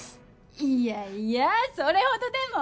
いやいやそれほどでも！